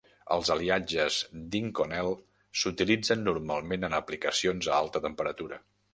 Els aliatges d'Inconel s'utilitzen normalment en aplicacions a alta temperatura.